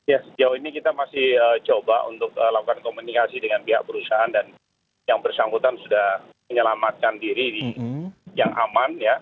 ya sejauh ini kita masih coba untuk lakukan komunikasi dengan pihak perusahaan dan yang bersangkutan sudah menyelamatkan diri yang aman ya